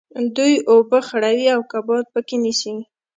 دوی اوبه خړوي او کبان په کې نیسي.